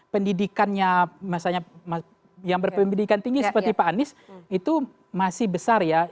pendidikannya yang berpendidikan tinggi seperti pak anies itu masih besar ya